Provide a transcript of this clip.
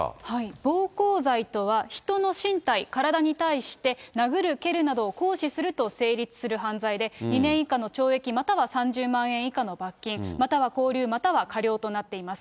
暴行罪とは、人の身体、体に対して、殴る蹴るなどを行使すると成立する犯罪で、２年以下の懲役、または３０万円以下の罰金、または拘留または科料となっています。